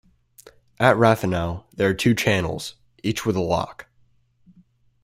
At Rathenow there are two channels, each with a lock.